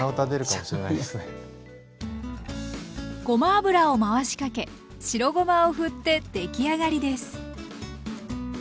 ごま油を回しかけ白ごまをふってできあがりです。